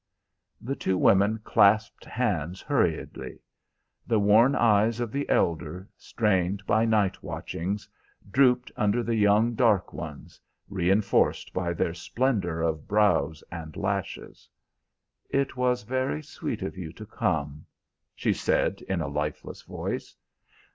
The two women clasped hands hurriedly. The worn eyes of the elder, strained by night watchings, drooped under the young, dark ones, reinforced by their splendor of brows and lashes. "It was very sweet of you to come," she said in a lifeless voice.